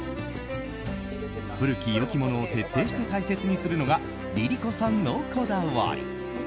古き良きものを徹底して大切にするのがＬｉＬｉＣｏさんのこだわり。